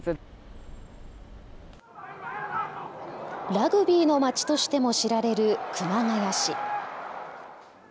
ラグビーのまちとしても知られる熊谷市。